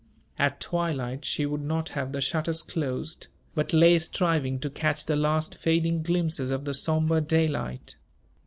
At twilight she would not have the shutters closed, but lay striving to catch the last fading glimpses of the somber daylight.